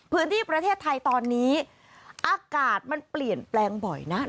พื้นที่ประเทศไทยตอนนี้อากาศมันเปลี่ยนแปลงบ่อยนะ